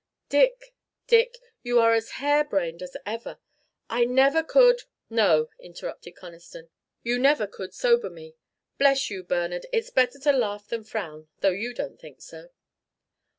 "Dick, Dick, you are as hair brained as ever. I never could " "No," interrupted Conniston, "you never could sober me. Bless you, Bernard, it's better to laugh than frown, though you don't think so."